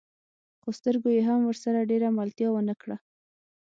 خو سترګو يې هم ورسره ډېره ملتيا ونه کړه.